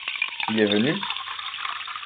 Il est venu ?